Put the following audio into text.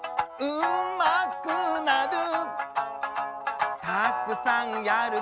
「うまくなる」